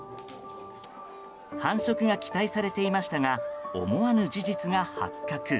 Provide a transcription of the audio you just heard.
繁殖が期待されていましたが思わぬ事実が発覚。